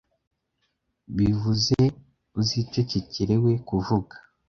bivuze uzicecekera we kuvuga